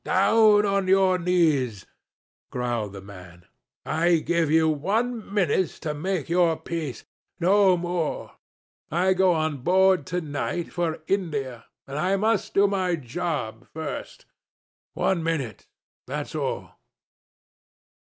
"Down on your knees!" growled the man. "I give you one minute to make your peace—no more. I go on board to night for India, and I must do my job first. One minute. That's all."